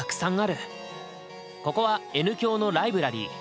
ここはＮ響の「ライブラリー」。